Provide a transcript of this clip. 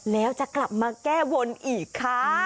แล้วจะกลับมาแก้บนอีกค่ะ